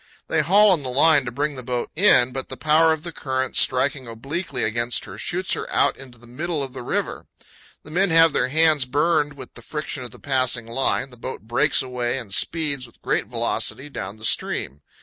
They haul on the line to bring the boat in, but the power of the current, striking obliquely against her, shoots her out into the middle of the river. The THE CANYON OF LODORE. 161 men have their hands burned with the friction of the passing line; the boat breaks away and speeds with great velocity down the stream.